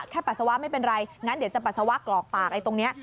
ปัสสาวะไม่เป็นไรงั้นเดี๋ยวจะปัสสาวะกรอกปากไอ้ตรงนี้